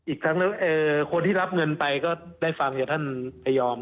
อีกทั้งคนที่รับเงินไปก็ได้ฟังจากท่านพยอม